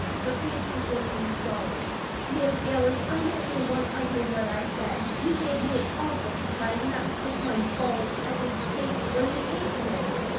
Her face was working strongly. "Nancy Ellen, I didn't mean one ugly word I said. You gave me an awful surprise, and that was just my bald, ugly Bates way of taking it.